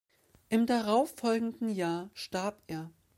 Im darauf folgenden Jahr starb er.